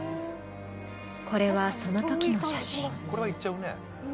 これは、そのときの写真。